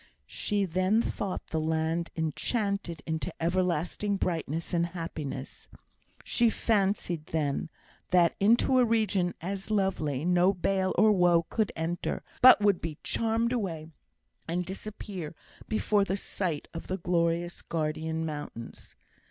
She then thought the land enchanted into everlasting brightness and happiness; she fancied, then, that into a region so lovely no bale or woe could enter, but would be charmed away and disappear before the sight of the glorious guardian mountains.